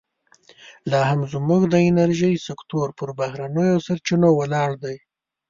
لا هم زموږ د انرژۍ سکتور پر بهرنیو سرچینو ولاړ دی.